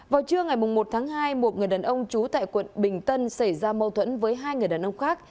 vào trưa ngày một tháng hai một người đàn ông trú tại quận bình tân xảy ra mâu thuẫn với hai người đàn ông khác